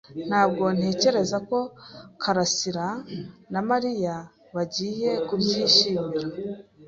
Ntabwo ntekereza ko Kalasira na Mariya bagiye kubyishimira.